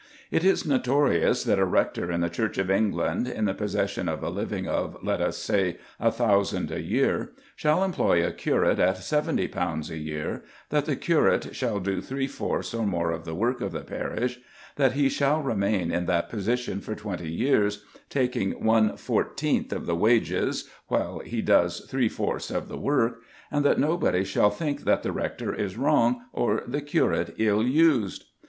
It is notorious that a rector in the Church of England, in the possession of a living of, let us say, a thousand a year, shall employ a curate at seventy pounds a year, that the curate shall do three fourths or more of the work of the parish, that he shall remain in that position for twenty years, taking one fourteenth of the wages while he does three fourths of the work, and that nobody shall think that the rector is wrong or the curate ill used!